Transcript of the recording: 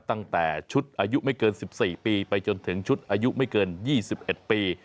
ตั้งแต่ชุดอายุไม่เกิน๑๔ปีไปจนถึงชุดอายุไม่เกิน๒๑ปี